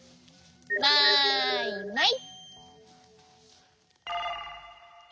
マイマイ！